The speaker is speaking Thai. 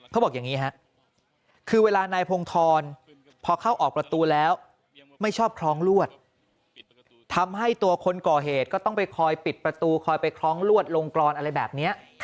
เขาบอกอย่างนี้ฮะคือเวลานายพงธรพอเข้าออกประตูแล้วไม่ชอบคล้องลวดทำให้ตัวคนก่อเหตุก็ต้องไปคอยปิดประตูคอยไปคล้องลวดลงกรอนอะไรแบบนี้